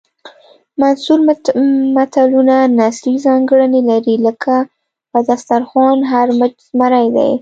منثور متلونه نثري ځانګړنې لري لکه په دسترخوان هر مچ زمری دی